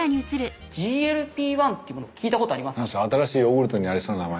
ＧＬＰ−１ってもの聞いたことありますか？